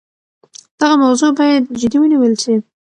دغه موضوع باید جدي ونیول سي.